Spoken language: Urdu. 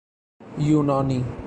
یونانی